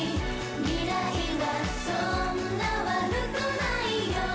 「未来はそんな悪くないよ」